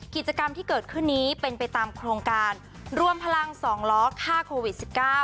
กิจกรรมที่เกิดขึ้นนี้เป็นไปตามโครงการรวมพลัง๒ล้อฆ่าโควิด๑๙